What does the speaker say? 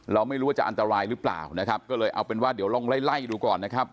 เราไม่รู้ว่าจะอันตรายหรือเปล่านะครับก็เลยเอาเป็นว่าเดี๋ยวลองไล่ไล่ดูก่อนนะครับ